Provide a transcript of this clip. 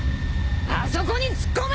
あそこに突っ込め！